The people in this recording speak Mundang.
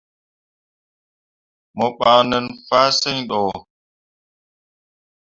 Mo ɓan nen fahsǝŋ ɗo.